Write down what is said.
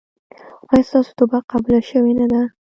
ایا ستاسو توبه قبوله شوې نه ده؟